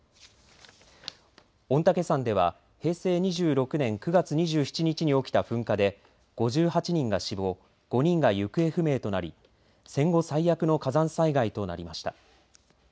御嶽山では平成２６年９月２７日に起きた噴火で、５８人が死亡５人が行方不明となり戦後最悪の火山災害となりました。